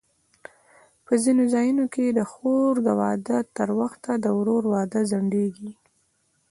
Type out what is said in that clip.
په ځینو ځایونو کې د خور د واده تر وخته د ورور واده ځنډېږي.